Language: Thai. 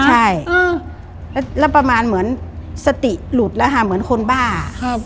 ใช่แล้วประมาณเหมือนสติหลุดแล้วค่ะเหมือนคนบ้า